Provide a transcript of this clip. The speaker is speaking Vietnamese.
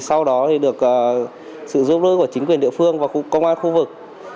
sau đó thì được sự giúp đỡ của chính quyền địa phương và công an khu vực